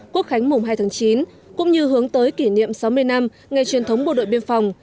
quốc khánh mùng hai tháng chín cũng như hướng tới kỷ niệm sáu mươi năm ngày truyền thống bộ đội biên phòng